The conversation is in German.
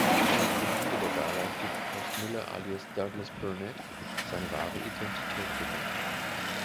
Am Ende der Gala gibt Horst Müller alias Douglas Burnett seine wahre Identität bekannt.